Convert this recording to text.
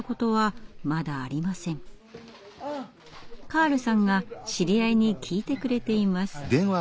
カールさんが知り合いに聞いてくれています。